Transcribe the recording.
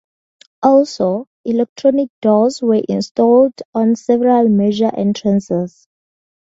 Also, electronic doors were installed on several major entrances.